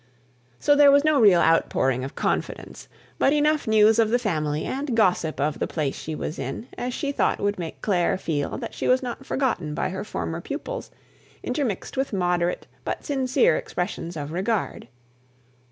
So there was no real outpouring of confidence, but enough news of the family and gossip of the place she was in, as she thought would make Clare feel that she was not forgotten by her former pupils, intermixed with moderate but sincere expressions of regard.